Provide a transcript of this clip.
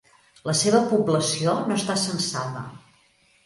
La seva població no està censada.